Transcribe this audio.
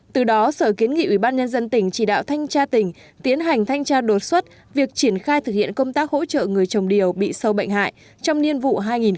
từ đó sở kiến nghị ubnd tỉnh chỉ đạo thanh tra tỉnh tiến hành thanh tra đột xuất việc triển khai thực hiện công tác hỗ trợ người trồng điều bị sâu bệnh hại trong niên vụ hai nghìn một mươi sáu hai nghìn một mươi bảy